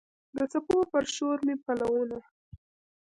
د څپو پر شور مې پلونه